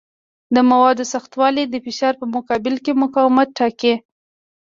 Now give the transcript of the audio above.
د موادو سختوالی د فشار په مقابل کې مقاومت ټاکي.